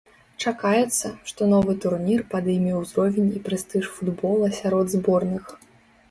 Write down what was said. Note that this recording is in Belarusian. Чакаецца, што новы турнір падыме ўзровень і прэстыж футбола сярод зборных.